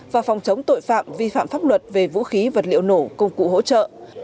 và phòng chống tội phạm vi phạm pháp luật về vũ khí vật liệu nổ công cụ hỗ trợ